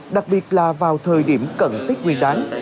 đặc biệt là vào thời điểm cận tết nguyên đáng